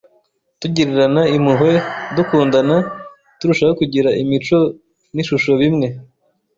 tugirirana impuhwe, dukundana, turushaho kugira imico n’ishusho bimwe